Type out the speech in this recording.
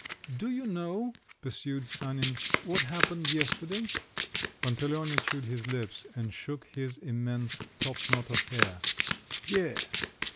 "Do you know," pursued Sanin, "what happened yesterday?" Pantaleone chewed his lips and shook his immense top knot of hair. "Yes."